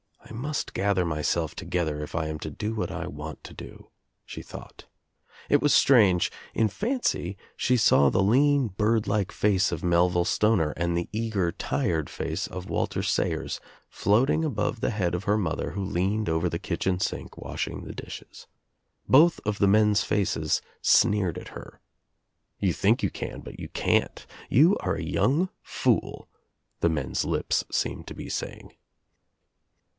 "I must gather myself together if I am to do what I want to do," she thought. It was strange — in fancy she saw the lean bird like face of Melville Stoner and the eager tired face of Walter Sayers floating above the head of her mother who leaned over the kitchen sink, washing the dishes. Both of the men's faces sneered at her. "You think ytm can but you can't. You are a young fool," the men's lips seemed to be saying.